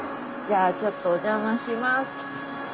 じゃあちょっとお邪魔します。